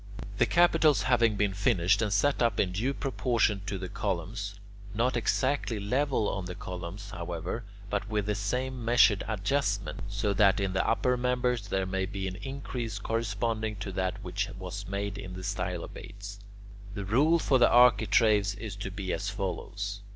The capitals having been finished and set up in due proportion to the columns (not exactly level on the columns, however, but with the same measured adjustment, so that in the upper members there may be an increase corresponding to that which was made in the stylobates), the rule for the architraves is to be as follows.